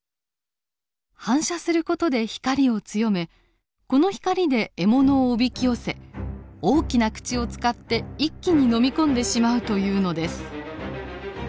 反射する事で光を強めこの光で獲物をおびき寄せ大きな口を使って一気に飲み込んでしまうというのです。